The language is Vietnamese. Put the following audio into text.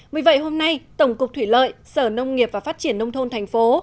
vì vậy hôm nay tổng cục thủy lợi sở nông nghiệp và phát triển nông thôn thành phố